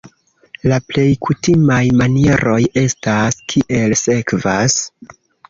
La plej kutimaj manieroj estas kiel sekvas.